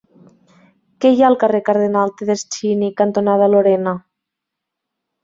Què hi ha al carrer Cardenal Tedeschini cantonada Lorena?